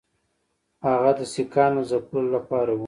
هغه د سیکهانو د ځپلو لپاره وو.